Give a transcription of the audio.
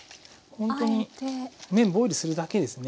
ほんとに麺ボイルするだけですね。